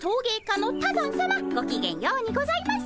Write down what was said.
ごきげんようにございます。